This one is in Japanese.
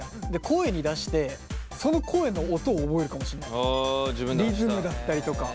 声に出してその声の音を覚えるかもしれない。